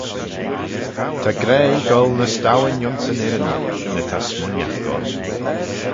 Ta graih goll ny s'dowin ayns yn irriney, ny ta smooinaght goll.